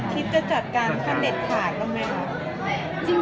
คิดจะจัดการคณะเด็ดขาดแล้วไหมครับ